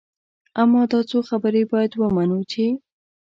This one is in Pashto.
اما دا څو خبرې باید ومنو چې.